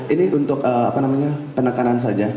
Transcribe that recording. ini untuk penekanan saja